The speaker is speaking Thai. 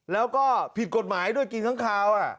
แล้วก็ผิดกฎหมายด้วยกินทั้งคาว